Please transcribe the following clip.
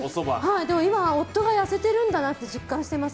今、夫が痩せているんだなって実感してます。